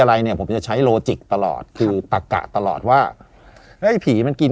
อะไรเนี่ยผมจะใช้โลจิกตลอดคือตะกะตลอดว่าเฮ้ยผีมันกิน